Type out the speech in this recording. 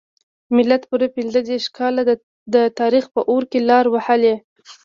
ملت پوره پنځه دیرش کاله د تاریخ په اور کې لار وهلې.